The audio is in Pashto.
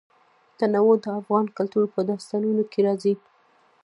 تنوع د افغان کلتور په داستانونو کې راځي.